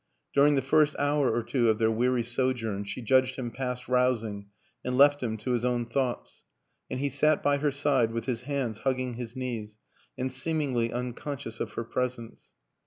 During the first hour or two of their weary sojourn she judged him past rousing and left him to his own thoughts; and he sat by her side with his hands hugging his knees and seemingly unconscious of her presence.